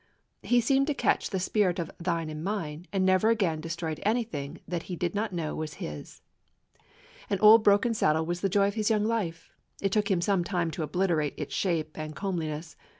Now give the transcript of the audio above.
He seemed to catch the spirit of "thine and mine, ,, and never again destroyed anything that he did not know was his. An old broken saddle was the joy of his young life. It took him some time to obliter ate its shape and comeliness.